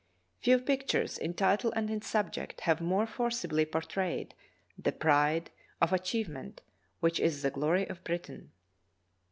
Few pictures, in title and in subject, have more forcibly portrayed that pride of achieve ment which is the glory of Britain.